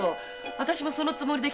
私もそのつもりで。